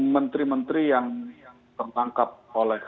menteri menteri yang tertangkap oleh